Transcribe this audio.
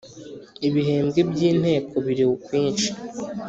Ibihembwe by’ Inteko biri ukwishi.